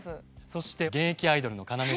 そして現役アイドルの鹿目さん。